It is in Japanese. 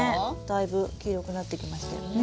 だいぶ黄色くなってきましたよね。